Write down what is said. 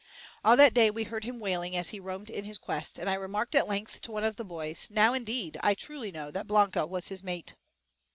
All that day we heard him wailing as he roamed in his quest, and I remarked at length to one of the boys, "Now, indeed, I truly know that Blanca was his mate."